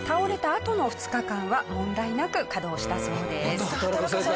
あとの２日間は問題なく稼働したそうです。